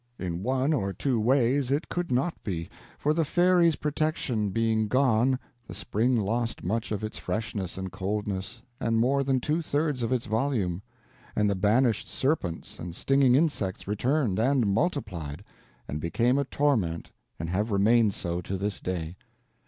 In one or two ways it could not be; for, the fairies' protection being gone, the spring lost much of its freshness and coldness, and more than two thirds of its volume, and the banished serpents and stinging insects returned, and multiplied, and became a torment and have remained so to this day.